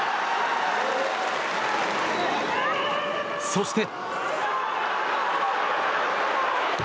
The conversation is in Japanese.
そして。